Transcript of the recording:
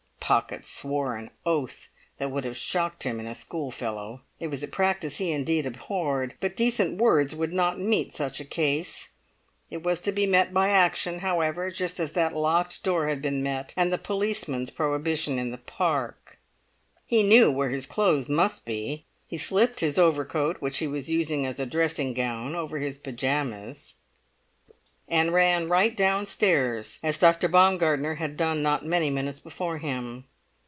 Pocket swore an oath that would have shocked him in a schoolfellow; it was a practice he indeed abhorred, but decent words would not meet such a case. It was to be met by action, however, just as that locked door had been met, and the policeman's prohibition in the Park. He knew where his clothes must be. He slipped his overcoat, which he was using as a dressing gown, over his pyjamas, and ran right downstairs as Dr. Baumgartner had done not many minutes before him.